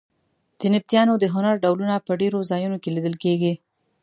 د نبطیانو د هنر ډولونه په ډېرو ځایونو کې لیدل کېږي.